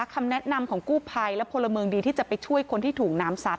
คำแนะนำของกู้ภัยและพลเมืองดีที่จะไปช่วยคนที่ถูกน้ำซัด